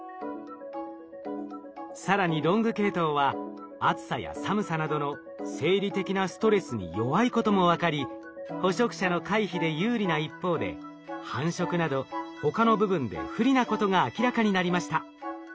更にロング系統は暑さや寒さなどの生理的なストレスに弱いことも分かり捕食者の回避で有利な一方で繁殖など他の部分で不利なことが明らかになりました。